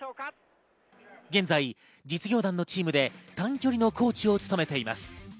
現在、実業団のチームで短距離のコーチを務めています。